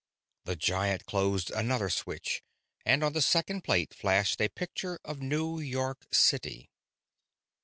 The giant closed another switch and on the second plate flashed a picture of New York City.